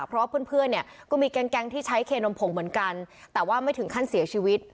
เพราะว่าเพื่อนเนี่ยก็มีแก๊งที่ใช้เคนมผงเหมือนกันแต่ว่าไม่ถึงขั้นเสียชีวิต